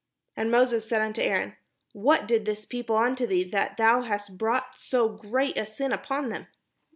And Moses said unto Aaron: "What did this people unto thee, that thou hast brought so great a sin upon them?"